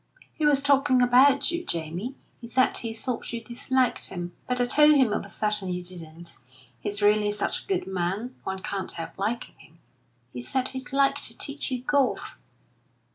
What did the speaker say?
"He was talking about you, Jamie. He said he thought you disliked him; but I told him I was certain you didn't. He's really such a good man, one can't help liking him. He said he'd like to teach you golf."